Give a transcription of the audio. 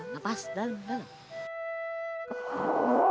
nafas dalam dalam